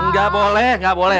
enggak boleh gak boleh